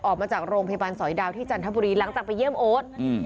ออกมาจากโรงพยาบาลสอยดาวที่จันทบุรีหลังจากไปเยี่ยมโอ๊ต